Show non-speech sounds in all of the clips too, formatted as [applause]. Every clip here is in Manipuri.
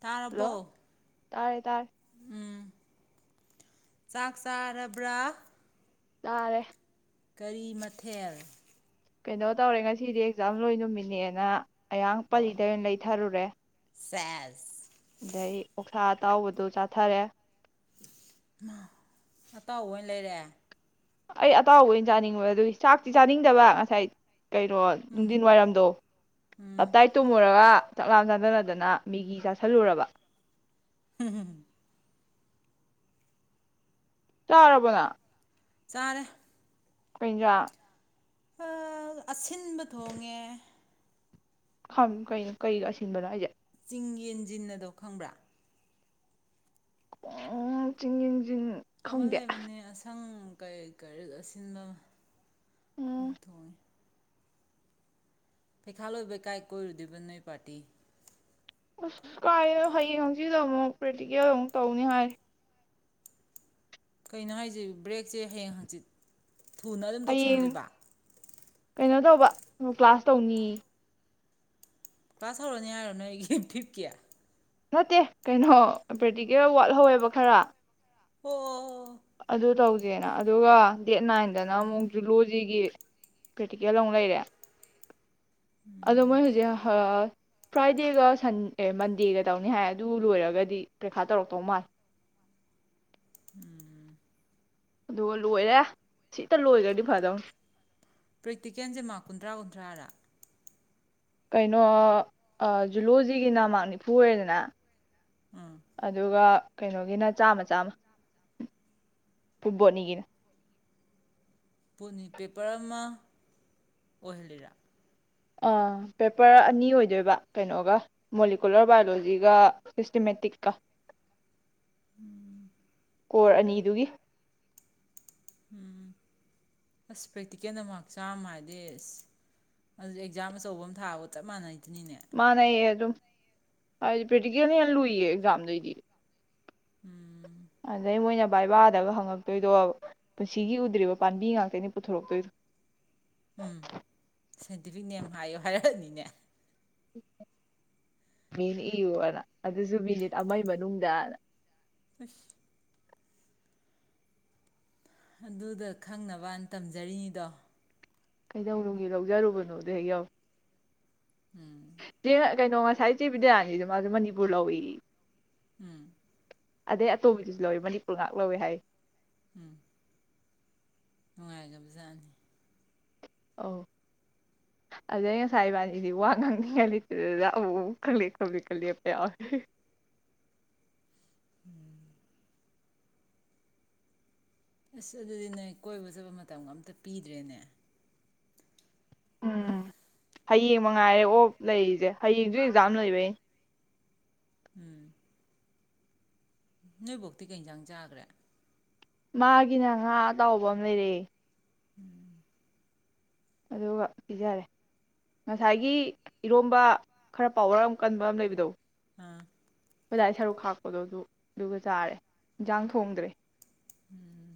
ꯇꯥꯔꯕꯣ ꯍꯜꯂꯣ ꯇꯥꯔꯦ ꯇꯥꯔꯦ ꯎꯝ ꯆꯥꯛ ꯆꯥꯔꯕ꯭ꯔꯥ ꯆꯥꯔꯦ ꯀꯔꯤ ꯃꯊꯦꯜ ꯀꯩꯅꯣ ꯇꯧꯔꯦ ꯉꯁꯤꯗꯤ ꯑꯦꯛꯖꯥꯝ ꯂꯣꯏ ꯅꯨꯃꯤꯠꯅꯦꯅ ꯑꯌꯥꯡ ꯄꯜꯂꯤꯗꯩ ꯑꯣꯏꯅ ꯂꯩꯊꯔꯨꯔꯦ ꯆꯦꯁ ꯑꯗꯩ ꯑꯣꯛꯁꯥ ꯑꯇꯥꯎꯕꯗꯨ ꯆꯥꯊꯔꯦ ꯑꯇꯥꯎꯕ ꯑꯣꯏꯅ ꯂꯩꯔꯦ ꯑꯩ ꯑꯇꯥꯎꯕ ꯑꯣꯏꯅ ꯆꯥꯅꯤꯡꯕ ꯑꯗꯨꯒꯤ ꯆꯥꯛꯇꯤ ꯆꯥꯅꯤꯡꯗꯕ ꯉꯁꯥꯏ ꯀꯩꯅꯣ ꯎꯝ ꯅꯨꯡꯊꯤꯟ ꯋꯥꯏꯔꯝꯗꯣ ꯎꯝ ꯇꯞꯇꯥꯏ ꯇꯨꯝꯃꯨꯔꯒ ꯆꯥꯛꯂꯥꯝ ꯆꯥꯗꯠꯅꯗꯅ ꯃꯤꯒꯤ ꯆꯥꯥꯁꯜꯂꯨꯔꯕ ꯍꯝ ꯆꯥꯔꯕ ꯅꯪ ꯆꯥꯔꯦ ꯀꯩ ꯍꯦꯟꯖꯥꯡ ꯑꯁꯤꯟꯕ ꯊꯣꯡꯉꯦ ꯈꯝ ꯀ ꯀꯩꯒ ꯑꯁꯤꯟꯕꯅꯣ ꯍꯥꯏꯁꯦ ꯆꯤꯡ ꯌꯦꯟꯁꯤꯟꯅ ꯑꯗꯣ ꯈꯪꯕ꯭ꯔꯥ ꯎ ꯆꯤꯡꯤꯡꯖꯤꯡ ꯑꯃ ꯂꯩꯕꯅꯦ ꯑꯁꯪ ꯀ ꯀꯔꯤ ꯑꯁꯤꯅ ꯎꯝ ꯑꯗꯨ ꯊ ꯄꯩꯈꯥꯜꯂꯣꯏꯕꯩ ꯀꯥꯏ ꯀꯣꯏꯔꯨꯗꯣꯏꯕ ꯅꯣꯏ ꯄꯥꯔꯇꯤ ꯑꯁ ꯀꯥꯏꯅ ꯍꯌꯦꯡ ꯍꯪꯆꯤꯗ ꯑꯃꯨꯛ ꯄ꯭ꯔꯦꯛꯇꯤꯀꯦꯜ ꯑꯃꯨꯛ ꯇꯧꯅꯤ ꯍꯥꯏꯔꯤ ꯀꯩꯅꯣ ꯍꯥꯏꯁꯤ ꯕ꯭ꯔꯦꯛꯁꯦ ꯍꯌꯦꯡ ꯍꯪꯆꯤꯠ ꯊꯨꯅ ꯑꯗꯨꯝ ꯍꯌꯦꯡ ꯇꯧꯁꯟꯗꯣꯏꯕ ꯀꯩꯅꯣ ꯇꯧꯕ ꯀ꯭ꯂꯥꯁ ꯇꯧꯅꯤ ꯀꯥꯁꯧꯔꯣꯅꯤ ꯍꯥꯏꯔꯣ ꯅꯣꯏ ꯑꯩ ꯐꯤꯞꯀꯤꯌꯥ ꯅꯠꯇꯦ ꯀꯩꯅꯣ ꯄ꯭ꯔꯦꯛꯇꯤꯀꯦꯜ ꯋꯥꯠꯍꯧꯋꯦꯕ ꯈꯔ ꯑꯣ ꯑꯣ ꯑꯣ ꯑꯗꯨꯗ ꯇꯧꯗ ꯦꯅ ꯑꯗꯨꯒ ꯗꯦꯠ ꯅꯥꯏꯟꯗꯅ ꯑꯃꯨꯛ ꯖꯨꯂꯣꯖꯤꯒꯤ ꯄ꯭ꯔꯦꯛꯇꯤꯀꯦꯜ ꯑꯃꯨꯛ ꯂꯩꯔꯦ ꯑꯗꯨꯗ ꯃꯥꯏ ꯍꯧꯖꯤ ꯍꯥ ꯐ꯭ꯔꯥꯏꯗꯦꯒ ꯃꯟꯗꯦꯒ ꯇꯧꯅꯤ ꯍꯥꯏ ꯑꯗꯨ ꯂꯣꯏꯔꯒꯗꯤ ꯄꯔꯤꯈꯥ ꯇꯧꯔꯛꯇꯧ ꯃꯥꯜꯂꯦ ꯎꯝ ꯑꯗꯨꯒ ꯂꯣꯏꯔꯦ ꯁꯤꯛꯇ ꯂꯣꯏꯈ꯭ꯔꯗꯤ ꯐꯗꯧꯅꯤ ꯄ꯭ꯔꯦꯛꯇꯤꯀꯦꯜꯁꯦ ꯃꯥ ꯀꯨꯟꯊ꯭ꯔꯥ ꯀꯨꯟꯊ꯭ꯔꯥꯗ ꯀꯩꯅꯣ ꯖꯨꯂꯣꯖꯤꯒꯤ ꯅꯃ ꯅꯤꯐꯨ ꯑꯣꯏꯔꯦꯗꯅ ꯎꯝ ꯑꯗꯨꯒ ꯀꯩꯅꯣꯒꯤꯅ ꯆꯥꯝꯃ ꯆꯥꯝꯃ ꯐꯨꯠꯕꯣꯠꯅꯤꯒꯤꯅ ꯄꯅꯤ ꯄꯦꯄꯔ ꯑꯃ ꯑꯣꯏꯍꯜꯂꯤꯔꯥ ꯄꯦꯄꯔ ꯑꯅꯤ ꯑꯣꯏꯗꯣꯏꯕ ꯀꯩꯅꯣꯒ ꯃꯣꯂꯤꯀꯨꯂꯔ ꯕꯥꯏꯑꯣꯂꯣꯖꯤꯒ ꯁꯤꯁꯇꯦꯃꯦꯇꯤꯛꯀ ꯎꯝ ꯀꯣꯔ ꯑꯅꯤꯗꯨꯒꯤ ꯎꯝ ꯑꯁ ꯄ꯭ꯔꯦꯛꯇꯤꯀꯦꯜꯗ ꯃꯥꯔꯛ ꯌꯥꯝꯥ ꯍꯥꯏꯗꯤ ꯑꯁ ꯑꯗꯨ ꯑꯦꯛꯖꯥꯝ ꯑꯆꯧꯕ ꯑꯃ ꯊꯥꯒ ꯆꯞ ꯃꯥꯟꯅꯩ ꯃꯥꯅꯦ ꯑꯗꯨꯝ ꯍꯥꯏꯗꯤ ꯄꯦꯇꯒꯤꯅꯤ ꯌꯥꯝꯅ ꯂꯨꯏꯌꯦ ꯑꯦꯖꯝꯗꯔ ꯎꯝ ꯑꯗꯩ ꯃꯣꯏꯅ ꯕꯥꯏꯕꯥꯗꯒ ꯍꯪꯉꯛꯇꯣꯏꯗꯣ ꯄꯨꯟꯁꯤꯒꯤ ꯎꯗ꯭ꯔꯤꯕ ꯄꯥꯝꯕꯤ ꯉꯥꯛꯇꯅꯤ ꯄꯨꯊꯣꯔꯛꯇꯣꯏꯗꯣ ꯎꯝ ꯁꯥꯏꯟꯇꯤꯐꯤꯛ ꯅꯦꯝ ꯍꯥꯏꯌꯣ ꯍꯥꯏꯔꯛꯑꯅꯤꯅꯦ ꯃꯤꯅꯤ ꯏꯌꯨꯅ ꯑꯗꯨꯁꯨ ꯃꯤꯅꯤꯠ ꯑꯃꯒꯤ ꯃꯅꯨꯡꯗꯅ ꯑꯁ ꯑꯗꯨꯗ ꯈꯪꯅꯕꯅ ꯇꯝꯖꯔꯤꯅꯤꯗꯣ ꯀꯩꯗꯧꯅꯨꯡꯒꯤ ꯂꯧꯖꯔꯨꯕꯅꯣꯗ ꯍꯦꯛ ꯌꯥꯎꯏ ꯎꯝ ꯆꯦ ꯀꯩꯅꯣ ꯉꯁꯥꯏ ꯆꯦ ꯕꯤꯗꯌꯥꯅꯤꯗ ꯃꯥꯁꯨ ꯃꯅꯤꯄꯨꯔ ꯂꯧꯏ ꯎꯝ ꯑꯗꯩ ꯑꯇꯣꯞꯄꯗꯨꯁꯨ ꯂꯧꯋꯦ ꯃꯅꯤꯄꯨꯔ ꯉꯍꯥꯛ ꯂꯧꯋꯦ ꯍꯥꯏ ꯎꯝ ꯅꯨꯡꯉꯥꯏꯒꯕꯖꯥꯠꯅꯤ ꯑꯧ ꯑꯗꯨꯗꯩ ꯉꯁꯥꯏ ꯏꯕꯥꯅꯤꯗꯤ ꯋꯥ ꯉꯥꯡꯅꯤꯡꯉꯥꯏ ꯂꯩꯇꯗꯅ ꯑꯃꯨꯃꯨꯛ ꯈꯡꯂꯦꯞ ꯈꯡꯂꯦꯞꯀ ꯂꯦꯞꯄ ꯌꯥꯎꯏ [unintelligible] ꯑꯁ ꯑꯗꯨꯗꯤ ꯅꯣꯏ ꯀꯣꯏꯕ ꯆꯠꯄ ꯃꯇꯝꯒ ꯑꯝꯇ ꯄꯤꯗ꯭ꯔꯦꯅꯦ ꯎꯝ ꯍꯌꯦꯡ ꯃꯉꯥꯏꯔꯦ ꯑꯣꯞ ꯂꯩꯔꯤꯁꯦ ꯍꯌꯦꯡꯁꯨ ꯑꯦꯛꯖꯥꯝ ꯂꯩꯕꯩꯅꯦ ꯎꯝ ꯅꯣꯏꯕꯣꯛꯇꯤ ꯀꯩ ꯌꯦꯟꯖꯥꯡ ꯆꯥꯒ꯭ꯔꯦ ꯃꯥꯒꯤꯅ ꯉꯥ ꯑꯇꯥꯎꯕ ꯑꯃ ꯂꯩꯔꯦ ꯎꯝ ꯑꯗꯨꯒ ꯄꯤꯖꯔꯦ ꯉꯁꯥꯏꯒꯤ ꯏꯔꯣꯝꯕ ꯈꯔ ꯄꯥꯎꯋꯔ ꯑꯃ ꯀꯟꯕ ꯑꯃ ꯂꯩꯕꯗꯣ ꯑ ꯑꯩꯈꯣꯏꯗꯥꯒꯤ ꯁꯔꯨꯛ ꯈꯥꯛꯄꯗꯣ ꯑꯗꯨ ꯑꯗꯨꯒ ꯆꯥꯔꯦ ꯏꯟꯖꯥꯡ ꯊꯣꯡꯗ꯭ꯔꯦ ꯎꯝ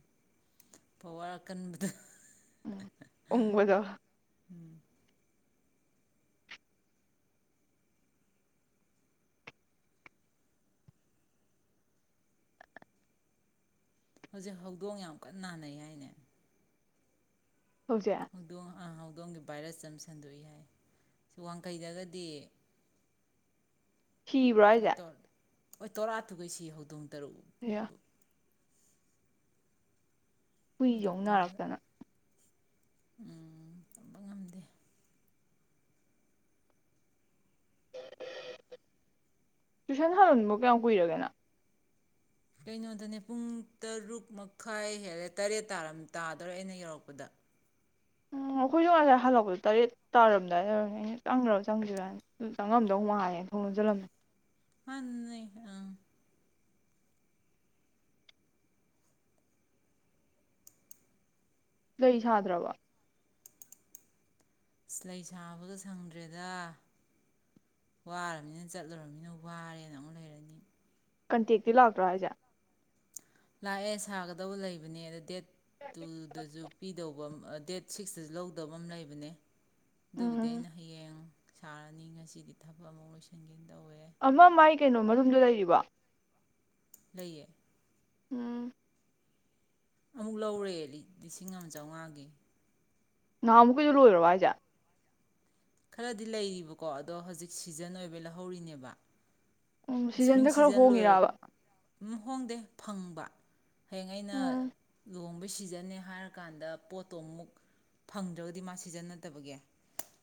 ꯄꯋꯥꯔ ꯑꯀꯟꯕꯗꯣ ꯎꯝ ꯎꯡꯕꯗꯣ ꯍꯧꯖꯤꯛ ꯍꯧꯗꯣꯡ ꯌꯥꯝ ꯀꯟꯅ ꯅꯥꯅꯩ ꯍꯥꯏꯅꯦ ꯍꯧꯖꯤꯛ ꯍꯗꯣꯡ ꯑ ꯍꯧꯗꯣꯡ ꯍꯧꯗꯣꯡꯒꯤ ꯚꯥꯏꯔꯁ ꯑꯃꯝ ꯁꯟꯗꯣꯛꯏ ꯍꯥꯏ ꯁꯤ ꯋꯥꯡꯈꯩꯗꯒꯗꯤ ꯁꯤꯕ꯭ꯔꯣ ꯍꯥꯏꯖꯦ ꯑꯣꯏ ꯇꯣꯔꯥ ꯊꯨꯒꯩꯁꯤ ꯍꯧꯗꯣꯡ ꯇꯔꯨꯛ ꯑꯌꯥ ꯍꯨꯏꯖꯨ ꯑꯃꯨꯛ ꯗꯣꯛꯇꯔꯗ ꯅꯥꯔꯛꯇꯅ ꯎꯝ ꯇꯝꯕ ꯉꯝꯗꯦ ꯇꯨꯏꯁꯟ ꯍꯟꯕ ꯀꯌꯥꯝ ꯀꯨꯏꯔꯒꯦ ꯅꯪ ꯀꯩꯅꯣꯗꯅꯦ ꯄꯨꯡ ꯇꯔꯨꯛ ꯃꯈꯥꯏ ꯍꯦꯜꯂꯦ ꯇꯔꯦꯠ ꯇꯥꯗꯧꯔꯦ ꯑꯩꯅ ꯌꯧꯔꯛꯄꯗ ꯎ ꯑꯩꯈꯣꯏꯁꯨ ꯉꯁꯥꯏ ꯍꯜꯂꯛꯄꯗꯣ ꯇꯔꯦꯠ ꯇꯥꯔꯝꯗꯥꯏꯗ ꯑꯣꯏꯔꯝꯅꯤ ꯑꯩꯅ ꯆꯪꯒ꯭ꯔꯕ ꯆꯪꯗ꯭ꯔꯤꯕꯔꯥꯅ ꯆꯪꯉꯝꯗꯧ ꯃꯥꯜꯂꯦꯅ ꯊꯣꯡ ꯂꯣꯟꯁꯤꯜꯂꯝꯃꯦ [unintelligible] ꯀꯩ ꯁꯥꯗ꯭ꯔꯕꯣ ꯑꯁ ꯂꯩ ꯁꯥꯥꯕꯒ ꯁꯪꯗ꯭ꯔꯦꯗ ꯋꯥꯔꯝꯅꯤꯅ ꯆꯠꯂꯨꯔꯝꯅꯤꯅ ꯋꯥꯔꯦꯅ ꯑꯃꯨꯛ ꯂꯩꯔꯅꯤ ꯀꯟꯇꯦꯛꯇꯤ ꯂꯥꯛꯇ꯭ꯔꯣ ꯍꯥꯏꯖꯦ? ꯂꯥꯛꯑꯦ ꯁꯥꯒꯗꯧꯕ ꯂꯩꯕꯅꯦ ꯑꯗ ꯗꯦꯠ ꯇꯨ ꯗꯖꯨ ꯄꯤꯗꯧꯕ꯫ ꯗꯦꯠ ꯁꯤꯛꯁꯇꯁꯨ ꯂꯧꯗꯕ ꯑꯃ ꯂꯩꯕꯅꯦ꯫ ꯑꯗꯨꯕꯨꯗꯤ ꯎꯝ ꯑꯩꯅ ꯍꯌꯦꯡ ꯁꯥꯔꯅꯤ ꯉꯁꯤꯗꯤ ꯊꯕꯛ ꯑꯃ ꯂꯣꯏꯁꯤꯟꯒꯦ ꯇꯧꯋꯦ꯫ ꯑꯃ ꯃꯥꯏ ꯀꯩꯅꯣ ꯃꯔꯨꯝꯗꯣ ꯂꯩꯔꯤꯕ? ꯂꯩꯌꯦ꯫ ꯎꯝ꯫ ꯑꯃꯨꯛ ꯂꯧꯔꯦ ꯂꯤꯁꯤꯡ ꯑꯃ ꯆꯧ꯫ ꯅꯍꯥꯟꯃꯨꯛꯀꯤꯗꯤ ꯂꯣꯏꯔꯕꯣ ꯍꯥꯏꯖꯦ? ꯈꯔꯗꯤ ꯂꯩꯔꯤꯕꯀꯣ ꯑꯗꯣ ꯍꯧꯖꯤꯛ ꯁꯤꯖꯟ ꯑꯣꯏꯕꯩ ꯂꯧꯍꯧꯔꯤꯅꯦꯕ꯫ ꯎꯝ ꯁꯤꯖꯟꯗ ꯈꯔ ꯍꯣꯡꯉꯤꯔꯕ? ꯎꯝ ꯍꯣꯡꯗꯦ ꯐꯪꯕ꯫ ꯍꯌꯦꯡ ꯑꯩꯅ ꯎꯝ ꯂꯣꯡ ꯃꯣꯏ ꯁꯤꯖꯟꯅꯦ ꯍꯥꯏꯔꯀꯥꯟꯗ ꯄꯣꯠꯇꯣ ꯑꯃꯨꯛ ꯐꯪꯗ꯭ꯔꯒꯗꯤ ꯃꯥ ꯁꯤꯖꯤꯟꯅꯗꯕꯒꯤꯦ꯫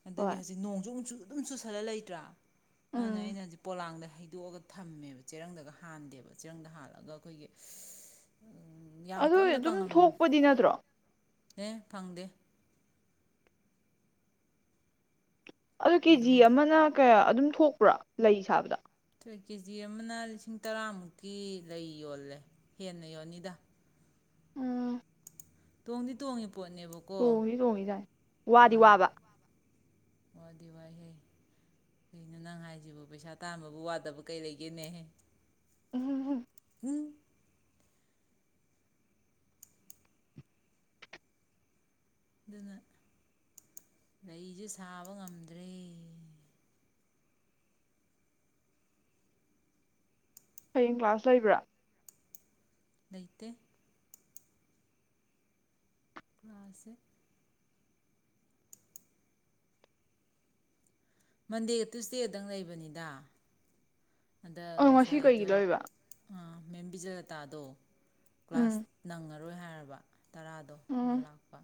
ꯑꯗꯒꯤ ꯍꯣꯏ ꯍꯧꯖꯤꯛ ꯅꯣꯡꯁꯨꯨ ꯁꯨ ꯑꯗꯨꯝ ꯆꯨꯁꯜꯂ ꯂꯩꯇ꯭ꯔꯥ꯫ ꯃꯥꯅꯦ ꯎꯝ ꯑꯩꯅ ꯍꯧꯖꯤꯛ ꯄꯣꯂꯥꯡꯗ ꯈꯤꯗꯣꯛꯑꯒ ꯊꯝꯃꯦꯕ ꯆꯦꯔꯪꯗꯒ ꯍꯥꯟꯗꯦꯕ ꯆꯦꯔꯪꯗ ꯍꯥꯜꯂꯑꯒ ꯑꯩꯈꯣꯏꯒꯤ꯫ ꯌꯥꯝ ꯑꯗꯨ ꯀꯟꯅ ꯑꯗꯨꯝ ꯀꯪꯍꯟ ꯊꯣꯛꯄꯗꯤ ꯅꯠꯇ꯭ꯔꯣ꯫ ꯑꯦ ꯐꯪꯗꯦ꯫ ꯑꯣ ꯀꯦꯖꯤ ꯑꯗꯨꯝ ꯑꯃꯅ ꯀꯌꯥ꯫ ꯑꯗꯨꯝ ꯊꯣꯛꯄ꯭ꯔꯥ ꯂꯩ ꯁꯥꯕꯗ꯫ ꯍꯣꯏ ꯀꯦꯖꯤ ꯑꯃꯅ ꯂꯤꯁꯤꯡ ꯇꯔꯥꯃꯨꯛꯀꯤ ꯂꯩ ꯌꯣꯜꯂꯦ ꯍꯦꯟꯅ ꯌꯣꯜꯅꯤꯗ꯫ ꯎꯝ꯫ ꯇꯣꯡꯗꯤ ꯇꯣꯡꯉꯦ ꯇꯣꯡꯉ ꯇꯣꯡꯉ ꯌꯥꯏ ꯋꯥꯗꯤ ꯋꯥꯕ꯫ ꯋꯥꯗꯤ ꯋꯥꯏꯍꯦ ꯀꯩꯅꯣ ꯅꯪ ꯍꯥꯏꯁꯤꯕ ꯄꯩꯁꯥ ꯇꯥꯟꯕꯕꯨ ꯋꯥꯗꯕ ꯀꯩ ꯂꯩꯒꯦꯅꯦꯍꯦ꯫ ꯎꯝꯍꯨꯎꯝ꯫ ꯎꯝ ꯑꯗꯨꯅ ꯂꯩꯁꯨ ꯁꯥꯕ ꯉꯝꯗ꯭ꯔꯦ꯫ ꯍꯌꯦꯡ ꯀ꯭ꯂꯥꯁ ꯂꯩꯕ꯭ꯔꯥ꯫ ꯂꯩꯇꯦ꯫ ꯀ꯭ꯂꯥꯁꯁꯦ꯫ ꯃꯟꯗꯦꯒ ꯇꯨꯁꯗꯦꯗꯪ ꯂꯩꯕꯅꯤꯗ꯫ ꯑꯗ ꯑ ꯉꯁꯤ ꯀꯩꯒꯤ ꯉꯁꯥꯏꯗꯣ ꯂꯩꯕ ꯑ ꯃꯦꯝꯕꯤꯖꯔ ꯇꯥꯗꯣ꯫ ꯀ꯭ꯂꯥꯁ ꯎꯝ ꯅꯪ ꯑꯔꯣꯏ ꯍꯥꯏꯔꯕ꯫ ꯇꯔꯥꯗꯣ ꯃꯥ ꯎꯝ ꯂꯥꯛꯄ꯫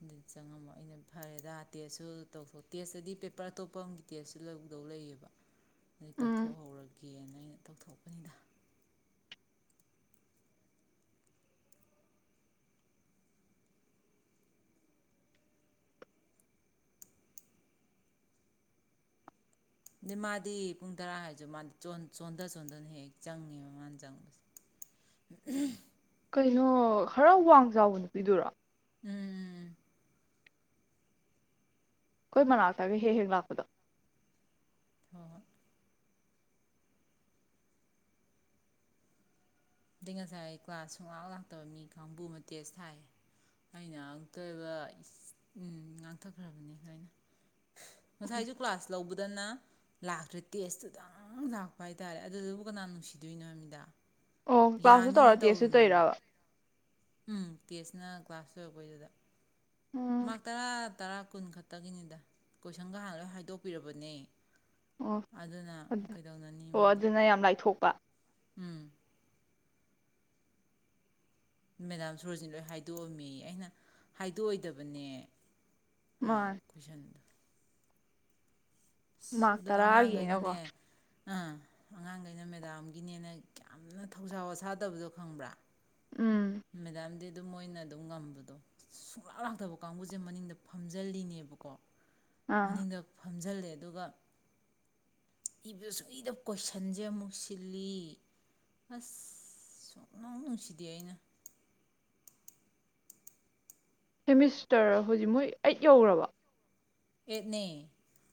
ꯑꯗꯨ ꯆꯪꯉꯝꯃꯣ ꯑꯩꯅ ꯐꯔꯦꯗ ꯇꯦꯁꯁꯨ ꯇꯧꯊꯣꯛ ꯇꯦꯁꯇꯗꯤ ꯄꯦꯄꯔ ꯑꯇꯣꯞꯄ ꯑꯃꯒꯤ ꯇꯦꯁꯁꯨ ꯂꯧꯗꯧ ꯂꯩꯌꯦꯕ꯫ ꯎꯝ ꯊꯣꯛꯣꯍꯣ--꯫ ꯌꯦꯟ ꯑꯩꯅ ꯇꯧꯊꯣꯛꯄꯅꯤꯗ꯫ ꯑ ꯃꯥꯗꯤ ꯄꯨꯡ ꯇꯔꯥ ꯍꯥꯏꯔꯁꯨ ꯃꯥꯗꯤ ꯆꯣꯟꯊ ꯆꯣꯟꯊꯅ ꯍꯦꯛ ꯍꯦꯛ ꯆꯪꯉꯦꯕ ꯃꯥꯅ ꯆꯪꯕꯁꯦ꯫ ꯀꯩꯅꯣ ꯈꯔ ꯋꯥꯡ ꯆꯥꯎꯕ ꯅꯨꯄꯤꯗꯨꯔꯣ꯫ ꯎꯝꯝ꯫ ꯑꯩꯈꯣꯏ ꯃꯅꯥꯛꯇꯥꯒ ꯍꯦꯛ ꯍꯦꯛ ꯂꯥꯛꯄꯗꯣ꯫ ꯍꯣꯏ ꯍꯣꯏ ꯑꯗꯩ ꯉꯁꯥꯏ ꯀ꯭ꯂꯥꯁ ꯁꯨꯡꯂꯥꯡ ꯂꯥꯛꯇꯕ ꯃꯤ ꯀꯥꯡꯕꯨ ꯑꯃ ꯇꯦꯁ ꯊꯥꯏ ꯑꯩꯅ ꯉꯇꯣꯏꯕ ꯎ ꯉꯥꯡꯊꯈ꯭ꯔꯕꯅꯤꯅ ꯉꯁꯥꯏꯁꯨ ꯀ꯭ꯂꯥꯁ ꯂꯧꯕꯗꯅ ꯂꯥꯛꯇ꯭ꯔꯦ ꯇꯦꯁꯇꯨꯗꯪ ꯂꯥꯛꯄ ꯍꯥꯏꯇꯥꯔꯦ ꯑꯗꯨꯗꯨꯕꯨ ꯀꯅꯥ ꯅꯨꯡꯁꯤꯗꯣꯏꯅꯣ ꯃꯤꯗꯥ꯫ ꯑꯣ ꯀ꯭ꯂꯥꯁꯁꯨ ꯇꯧꯔꯥꯇꯦꯁꯨ ꯇꯩꯔꯤꯔꯕ꯫ ꯎꯝ ꯇꯦꯁꯅ ꯀ꯭ꯂꯥꯁ ꯂꯣꯏꯔꯛꯄꯩꯗꯨꯗ ꯎꯝ ꯃꯥꯔꯛ ꯇꯔꯥ ꯇꯔꯥ ꯀꯨꯟ ꯈꯛꯇꯒꯤꯅꯤꯗ ꯀꯣꯏꯁꯟꯒ ꯍꯥꯟꯅ ꯂꯣꯏ ꯍꯥꯏꯗꯣꯛꯄꯤꯔꯕꯅꯦ꯫ ꯑꯣ ꯑꯗꯨꯅ ꯑꯗꯨ ꯀꯩꯗꯧꯅꯅꯤ ꯑꯣ ꯃꯣꯏꯗ ꯑꯗꯨꯅ ꯌꯥꯝ ꯂꯥꯏꯊꯣꯛꯄ꯫ ꯎꯝ꯫ ꯃꯦꯗꯥꯝ ꯁꯣꯔꯣꯖꯤꯟ ꯂꯣꯏ ꯍꯥꯏꯗꯣꯛꯑꯝꯃꯤ ꯑꯩꯅ ꯍꯥꯏꯗꯣꯛꯑꯣꯏꯗꯕꯅꯦ ꯍꯥꯏꯕ ꯃꯥꯅꯦ ꯀꯣꯏꯁꯟꯗꯣ ꯃꯥꯔ ꯑꯗꯨꯅ ꯇꯔꯥꯒꯤꯅꯀꯣ ꯑꯉꯥꯡꯈꯩꯅꯅꯦ ꯑꯥ ꯑꯉꯥꯡꯈꯩꯅ ꯃꯦꯗꯥꯝꯒꯤꯅꯦꯅ ꯌꯥꯝꯅ ꯊꯧꯁꯥ ꯋꯥꯁꯥꯗꯕꯗꯣ ꯈꯪꯕ꯭ꯔꯥ ꯎꯝ ꯃꯦꯗꯥꯝꯗ ꯑꯗꯨ ꯃꯣꯏꯅ ꯑꯗꯨꯝ ꯉꯝꯕꯗꯣ ꯁꯨꯡꯂꯥꯛ ꯂꯥꯛꯇꯕ ꯀꯥꯡꯕꯨꯁꯦ ꯃꯅꯤꯡꯗ ꯐꯝꯖꯤꯜꯂꯤꯅꯦꯕꯀꯣ ꯑꯥ ꯃꯅꯤꯡꯒꯛ ꯐꯝꯖꯤꯜꯂꯦ ꯑꯗꯨꯒ ꯏꯕꯗ ꯁꯨꯡ ꯏꯗꯕ ꯀꯣꯏꯁꯟꯁꯦ ꯑꯃꯨꯛ ꯁꯤꯜꯂꯤ ꯑꯁ ꯁꯨꯡꯅꯥꯧ ꯅꯨꯡꯁꯤꯗꯦ ꯑꯩꯅ ꯁꯦꯃꯤꯁꯇꯔ ꯍꯧꯖꯤꯛ ꯃꯣꯏ ꯑꯩꯠ ꯌꯧꯈ꯭ꯔꯕ ꯑꯦꯠꯅꯦꯅꯦ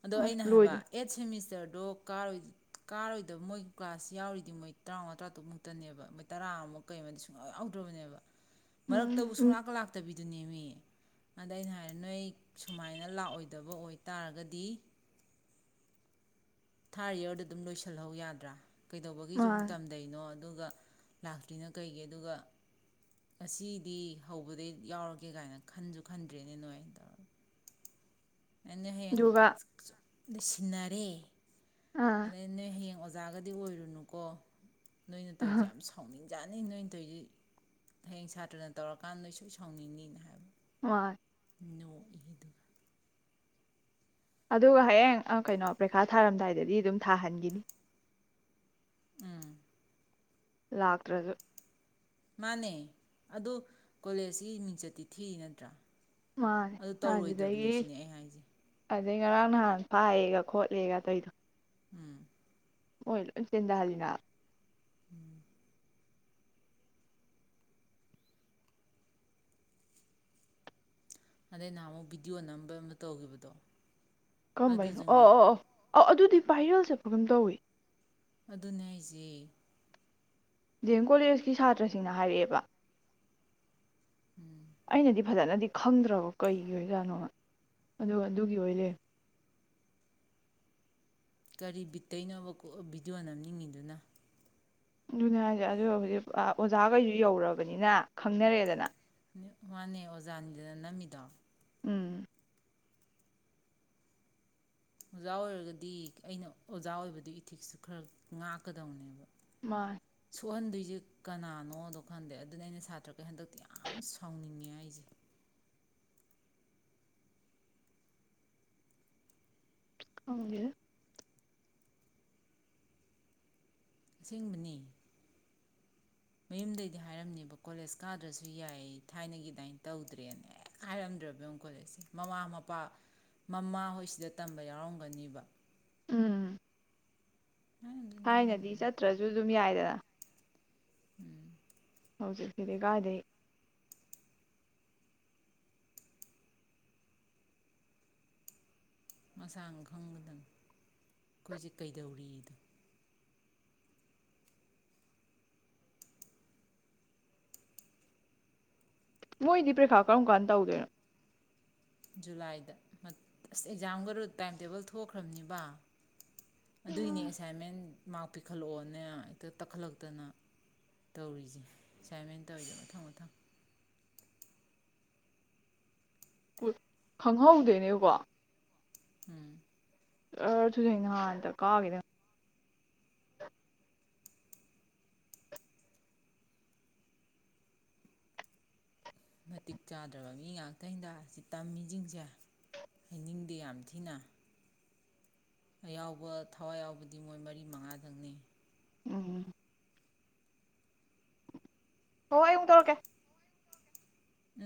ꯑꯗꯣ ꯑꯩꯅ ꯍꯥꯏꯕ ꯂꯣꯏꯗ꯭ꯔꯤ ꯑꯦꯠ ꯁꯦꯃꯤꯁ ꯁꯇꯔꯗꯣ ꯀꯥꯔꯣꯏ ꯀꯥꯔꯣꯏꯗꯕ ꯃꯣꯏꯒꯤ ꯀ꯭ꯂꯥꯁ ꯌꯥꯎꯔꯤꯗꯤ ꯃꯣꯏ ꯇꯔꯥꯃꯉꯥ ꯇꯔꯥ ꯇꯨꯛꯃꯨꯛꯇꯅꯦꯕ ꯃꯣꯏ ꯇꯔꯥꯃꯨꯛ ꯀꯩꯃ ꯁꯨꯡꯌꯥꯥꯎ ꯌꯥꯎꯗ꯭ꯔꯕꯅꯦꯕ ꯃꯔꯛꯇꯕꯨ ꯎꯝ ꯎꯝ ꯁꯨꯡꯅꯥꯥꯛꯀ ꯂꯥꯛꯇꯕꯤ ꯑꯗꯨꯅꯦꯃꯤ ꯑꯗ ꯑꯩꯅ ꯍꯥꯏꯔꯦ ꯅꯣꯏ ꯁꯨꯃꯥꯏꯅ ꯂꯥꯛꯑꯣꯏ ꯗꯕ ꯑꯣꯏꯇꯥꯔꯒꯗꯤ ꯊꯥꯔ ꯌꯌꯥꯔꯗ ꯑꯗꯨꯝ ꯂꯣꯏꯁꯤꯜꯍꯧ ꯌꯥꯗ꯭ꯔꯥ ꯀꯩꯗꯧꯕꯒꯤꯁꯨꯨꯛ ꯃꯥꯅꯦ ꯇꯝꯗꯩꯅꯣ ꯑꯗꯨꯒ ꯂꯥꯛꯇ꯭ꯔꯤꯅꯣ ꯀꯩꯒꯤ ꯑꯗꯨꯒ ꯑꯁꯤꯗꯤ ꯍꯧꯕꯗꯩ ꯌꯥꯎꯔꯒꯦ ꯀꯥꯏꯅ ꯈꯟꯁꯨ ꯈꯟꯗ꯭ꯔꯦꯅꯦ ꯅ ꯑ ꯇꯧꯔꯒ ꯑꯩꯅ ꯍꯌꯦꯡ ꯑꯗꯨꯒ ꯁꯤꯟꯅꯔꯦ ꯑꯥ ꯑꯗ ꯍꯌꯦꯡ ꯑꯣꯖꯥꯒꯗꯤ ꯑꯣꯏꯔꯨꯅꯨꯀꯣ ꯅꯣꯏꯅ ꯑꯍ ꯇꯧꯔꯤꯁꯦ ꯌꯥꯝ ꯁꯥꯎꯅꯤꯡ ꯌꯥꯅꯤ ꯅꯣꯏꯅ ꯇꯧꯔꯤꯁꯤ ꯍꯌꯦꯡ ꯁꯥꯇ꯭ꯔꯅ ꯇꯧꯔꯀꯥꯟꯗ ꯅꯣꯏ ꯁꯣꯏ ꯁꯥꯎꯅꯤꯡꯅꯤꯤꯅ ꯍꯥꯏꯕꯅꯤ ꯑ ꯅꯣꯛꯏ ꯑꯗꯨꯒ ꯑꯗꯨꯒ ꯍꯌꯦꯡ ꯀꯩꯅꯣ ꯄꯔꯤꯈꯥ ꯊꯥꯔꯝꯗꯥꯏꯗꯗꯤ ꯑꯗꯨꯝ ꯊꯥꯍꯟꯈꯤꯅꯤ ꯎꯝ ꯂꯥꯛꯇ꯭ꯔꯁꯨ ꯃꯥꯅꯦ ꯑꯗꯨ ꯀꯣꯂꯦꯖꯀꯤ ꯃꯤꯡꯆꯠꯇꯤ ꯊꯤꯔꯤ ꯅꯠꯇ꯭ꯔꯥ ꯃꯥꯅꯦ ꯑꯗꯨ ꯇꯧꯔꯣꯏꯗꯕꯅꯤ ꯑꯗꯨꯗꯒꯤ ꯁꯤꯅꯦ ꯑꯩ ꯍꯥꯏꯁꯦ ꯑꯗꯩ ꯉꯔꯥꯡ ꯅꯍꯥꯟ ꯐꯥꯏꯌꯦꯒ ꯈꯣꯠꯂꯦꯒ ꯑꯗꯨꯏꯗꯣ ꯎꯝ ꯑꯣꯏꯣꯏ ꯇꯗꯍꯜꯂꯤꯅ ꯎꯝ ꯑꯗꯩ ꯅꯍꯥꯟꯃꯨꯛ ꯚꯤꯗꯤꯑꯣ ꯅꯝꯕ ꯑꯃ ꯇꯧꯈꯤꯕꯗꯣ ꯀꯃ ꯥꯏꯅꯣ ꯑꯗꯨꯁꯨ ꯑꯣ ꯉꯥꯏ ꯑꯣ ꯑꯣ ꯑꯧ ꯑꯗꯨꯗꯤ ꯄꯥꯏꯔꯦꯜ ꯆꯠꯄꯒꯝ ꯇꯧꯏꯤ ꯑꯗꯨꯅꯦ ꯑꯩꯁꯦ ꯗꯤ ꯑꯦꯝ ꯀꯣꯂꯦꯖꯀꯤ ꯁꯥꯇ꯭ꯔꯁꯤꯡꯅ ꯍꯥꯏꯔꯛꯑꯦꯕ ꯎꯝ ꯑꯩꯅꯗꯤ ꯐꯖꯅꯗꯤ ꯈꯪꯗ꯭ꯔꯕ ꯀꯩꯒꯤ ꯑꯣꯏꯖꯥꯠꯅꯣ ꯑꯗꯨꯒ ꯑꯗꯨꯒꯤ ꯑꯣꯏꯔ ꯀꯔꯤ ꯕꯤꯠꯇꯩꯅꯣꯕ ꯚꯤꯗꯤꯑꯣ ꯅꯝꯅꯤꯡꯉꯤꯗꯨꯅ ꯑꯗꯨꯅꯦ ꯍꯥꯏꯁꯦ ꯑꯗꯣ ꯍꯧꯖꯤꯛ ꯑꯣꯖꯥꯈꯩꯁꯨ ꯌꯧꯔꯕꯅꯤꯅ ꯈꯪꯅꯔꯛꯑꯦꯗꯅ ꯃꯥꯅꯦ ꯑꯣꯖꯥꯗꯨꯅ ꯅꯝꯃꯤꯗꯣ ꯎꯝ ꯑꯣꯖꯥ ꯑꯣꯏꯔꯒꯗꯤ ꯑꯩꯅ ꯑꯣꯖꯥ ꯑꯣꯏꯕꯗꯨ ꯏꯊꯤꯛꯁꯁꯨ ꯈꯔ ꯉꯥꯛꯀꯗꯕꯅꯦꯕ ꯃꯥ ꯁꯣꯛꯍꯟꯗꯣꯏꯁꯦ ꯀꯅꯥꯅꯣꯗꯣ ꯈꯟꯗꯦ ꯑꯗꯨꯅ ꯑꯩꯅ ꯁꯥꯇ꯭ꯔꯈꯩ ꯍꯟꯗꯛꯇꯤ ꯌꯥꯝ ꯁꯥꯎꯅꯤꯡꯉꯦ ꯑꯩꯁꯦ ꯀꯒ ꯑꯁꯦꯡꯕꯅꯤ ꯃꯌꯨꯝꯗꯩꯗꯤ ꯍꯥꯏꯔꯝꯅꯦꯕ ꯀꯣꯂꯦꯖ ꯀꯥꯗ꯭ꯔꯁꯨ ꯌꯥꯏ ꯊꯥꯏꯅꯒꯤ ꯑꯗꯨꯃꯥꯏꯅ ꯇꯧꯗ꯭ꯔꯦꯅ ꯍꯦꯛ ꯍꯥꯏꯔꯝꯗ꯭ꯔꯕꯛ ꯀꯣꯂꯦꯖꯁꯦ ꯃꯃꯥ ꯃꯄꯥ ꯃꯃꯥ ꯍꯣꯏꯁꯤꯗ ꯇꯝꯕ ꯌꯥꯎꯔꯝꯒꯅꯤꯕ ꯎꯝ ꯍꯥꯏꯔꯝꯗꯣꯏꯅꯤ ꯊꯥꯏꯅꯗꯤ ꯍꯥꯏꯔꯝꯗꯣꯏꯅꯤ ꯆꯠꯇ꯭ꯔꯁꯨ ꯑꯗꯨꯝ ꯌꯥꯏꯗꯅ ꯎꯝ ꯍꯧꯖꯤꯛꯁꯤꯗꯤ ꯀꯥꯏꯗꯦ ꯃꯁꯥꯅ ꯈꯪꯕꯗꯪ ꯑꯩꯈꯣꯏꯁꯦ ꯀꯩꯗꯧꯔꯤꯗꯣ ꯃꯣꯏꯗꯤ ꯄ꯭ꯔꯤꯦꯈꯥ ꯀꯔꯝ ꯀꯥꯟ ꯇꯧꯗꯣꯏꯅꯣ ꯖꯨꯂꯥꯏꯗ ꯑꯁ ꯑꯦꯛꯖꯥꯝꯒꯔꯨ ꯇꯥꯏꯝ ꯇꯦꯕꯜ ꯊꯣꯛꯈ꯭ꯔꯕꯅꯤꯕ ꯑꯗꯨꯒꯤꯅꯦ ꯑꯦꯁꯥꯏꯟꯃꯦꯟ ꯃꯥꯔꯛ ꯄꯤꯈꯠꯂꯛꯑꯣꯅꯦ ꯍꯦꯛꯇ ꯇꯛꯈꯠꯂꯛꯇꯅ ꯇꯧꯔꯤꯁꯦ ꯑꯦꯁꯥꯏꯟꯃꯦꯟ ꯇꯧꯔꯤꯁꯦ ꯃꯊꯪ ꯃꯊꯪ ꯈꯪꯍꯧꯗꯣꯏꯅꯦꯕꯀꯣ ꯎꯝ ꯑ ꯊꯨꯗꯅꯍꯥꯟꯇ ꯀꯥꯈꯤꯦꯗ ꯃꯇꯤꯛ ꯆꯥꯗ꯭ꯔꯕ ꯃꯤ ꯉꯥꯛꯇ ꯍꯤꯗꯥꯛ ꯑꯁꯤ ꯇꯝꯃꯤꯁꯤꯡꯁꯦ ꯍꯥꯏꯅꯤꯡꯗꯦ ꯌꯥꯝ ꯊꯤꯅ ꯑꯌꯥꯎꯕ ꯊꯋꯥꯏ ꯌꯥꯎꯕꯗꯤ ꯃꯣꯏ ꯃꯔꯤ ꯃꯉꯥꯗꯪꯅꯤ ꯎꯝ ꯍ ꯑꯩ ꯑꯃꯨꯛ ꯇꯧꯔꯛꯀꯦ ꯑ